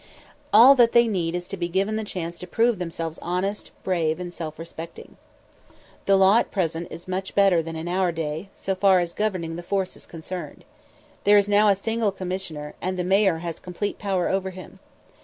All that they need is to be given the chance to prove themselves honest, brave, and self respecting. The law at present is much better than in our day, so far as governing the force is concerned. There is now a single Commissioner, and the Mayor has complete power over him.